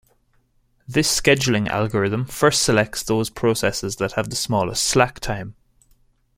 This scheduling algorithm first selects those processes that have the smallest "slack time".